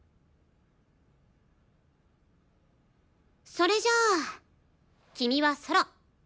それじゃあ君はソロ。